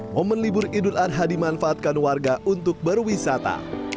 momen libur idul adha dimanfaatkan warga untuk berwisata